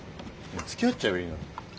つきあっちゃえばいいのに。